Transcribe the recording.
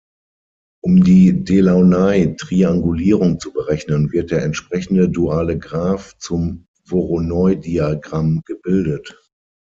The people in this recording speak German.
Um die Delaunay-Triangulierung zu berechnen, wird der entsprechende duale Graph zum Voronoi-Diagramm gebildet.